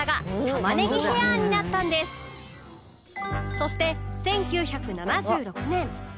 そして１９７６年